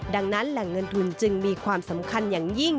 ดังนั้นแหล่งเงินทุนจึงมีความสำคัญอย่างยิ่ง